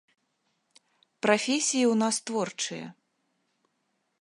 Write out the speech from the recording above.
Прафесіі ў нас творчыя.